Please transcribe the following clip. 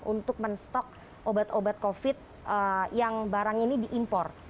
untuk men stok obat obat covid yang barang ini diimpor